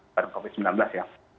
baru covid sembilan belas ya